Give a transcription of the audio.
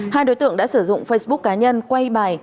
hai đối tượng đã sử dụng facebook cá nhân quay bài